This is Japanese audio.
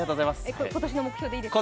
今年の目標でいいですか？